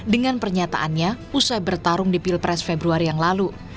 dengan pernyataannya usai bertarung di pilpres februari yang lalu